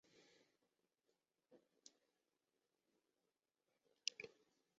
乐园郡是朝鲜民主主义人民共和国咸镜南道南部的一个郡。